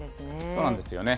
そうなんですよね。